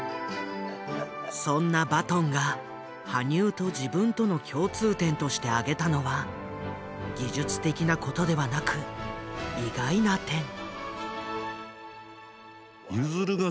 そんなバトンが羽生と自分との共通点として挙げたのは技術的なことではなく意外な点。